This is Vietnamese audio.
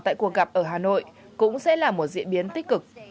tại cuộc gặp ở hà nội cũng sẽ là một diễn biến tích cực